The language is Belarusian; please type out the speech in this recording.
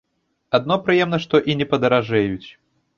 Адно прыемна, што і не падаражэюць.